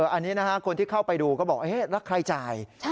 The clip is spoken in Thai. อันนี้นะฮะคนที่เข้าไปดูก็บอกรักใครจ่าย